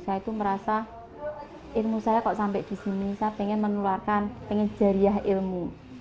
saya itu merasa ilmu saya kok sampai di sini saya ingin menularkan pengen jariah ilmu